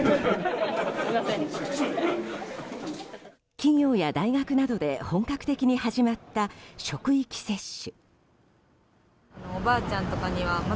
企業や大学などで本格的に始まった職域接種。